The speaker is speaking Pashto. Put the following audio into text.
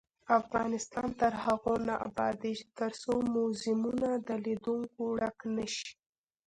افغانستان تر هغو نه ابادیږي، ترڅو موزیمونه د لیدونکو ډک نشي.